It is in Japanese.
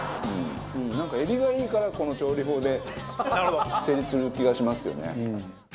なんかエビがいいからこの調理法で成立する気がしますよね。